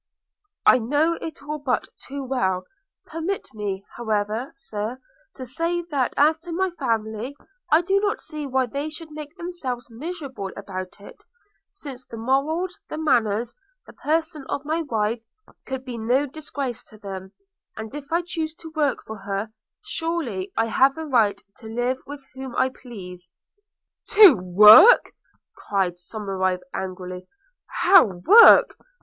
'I know it all but too well: permit me, however, Sir, to say, that as to my family, I do not see why they should make themselves miserable about it, since the morals, the manners, the person of my wife, could be no disgrace to them; and if I chose to work for her, surely I have a right to live with whom I please.' 'To work!' cried Somerive angrily. 'How work?